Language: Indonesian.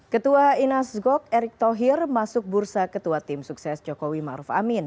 ketua inas gok erick thohir masuk bursa ketua tim sukses jokowi maruf amin